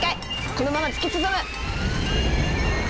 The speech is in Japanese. このまま突き進む！